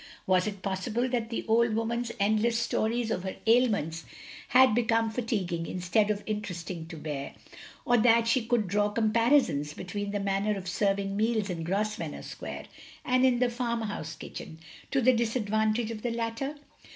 Was it possible that the old woman's endless stories of her ailments had become fatiguing instead of interesting to hear; or that she could draw comparisons between the manner of serving meals in Grosvenor Sqtiare and in the farmhouse kitchen, to the disadvantage of the latter?